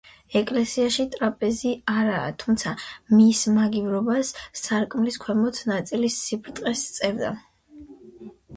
ეკლესიაში ტრაპეზი არაა, თუმცა მის მაგივრობას სარკმლის ქვემო ნაწილის სიბრტყე სწევდა.